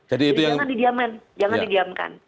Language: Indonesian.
jadi jangan didiamkan